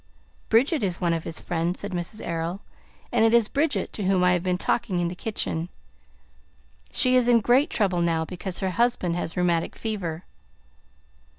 "Bridget is one of his friends," said Mrs. Errol; "and it is Bridget to whom I have been talking in the kitchen. She is in great trouble now because her husband has rheumatic fever."